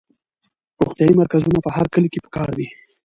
روغتیایي مرکزونه په هر کلي کې پکار دي.